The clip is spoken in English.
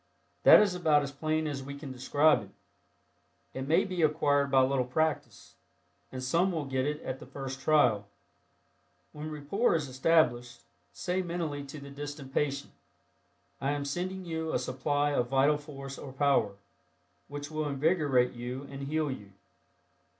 That is about as plain as we can describe it. It may be acquired by a little practice, and some will get it at the first trial. When rapport is established, say mentally to the distant patient, "I am sending you a supply of vital force or power, which will invigorate you and heal you."